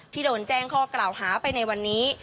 ที่โดนแจ้งข้อกล่าวหาไปในวันนี้